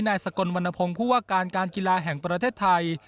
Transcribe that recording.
สกลวรรณพงศ์ผู้ว่าการการกีฬาแห่งประเทศไทย